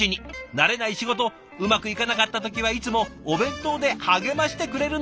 慣れない仕事うまくいかなかった時はいつもお弁当で励ましてくれるんだとか。